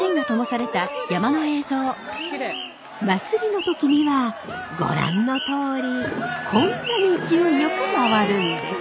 祭りの時にはご覧のとおりこんなに勢いよく回るんです。